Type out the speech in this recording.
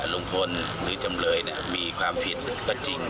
ลุงพลหรือจำเลยมีความผิดก็จริง